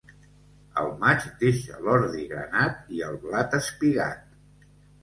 El maig deixa l'ordi granat i el blat espigat.